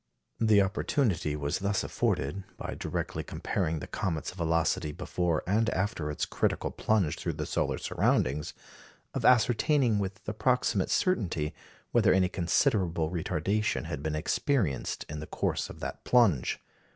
The opportunity was thus afforded, by directly comparing the comet's velocity before and after its critical plunge through the solar surroundings, of ascertaining with approximate certainty whether any considerable retardation had been experienced in the course of that plunge.